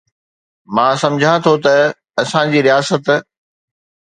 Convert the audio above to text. مان سمجهان ٿو ته اسان جي رياست